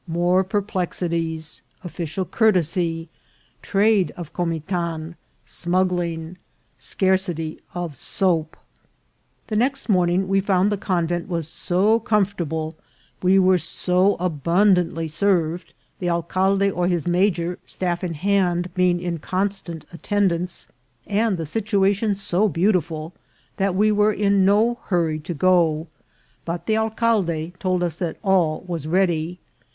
— More Perplexities. — Official Courtesy. — Trade of Comitan. — Smuggling. — Scarcity of Soap. THE next morning we found the convent was so com fortable, we were so abundantly served, the alcalde or his major, staff in hand, being in constant attendance, and the situation so beautiful, that we were in no hur ry to go ; but the alcalde told us that all was ready.